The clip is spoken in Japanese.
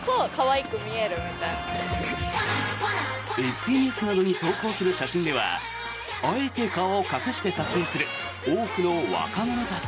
ＳＮＳなどに投稿する写真ではあえて顔を隠して撮影する多くの若者たち。